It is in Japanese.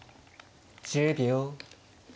１０秒。